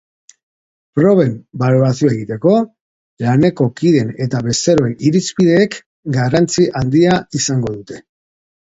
Proben balorazioa egiteko, laneko kideen eta bezeroen iritziek garrantzi handia izango dute.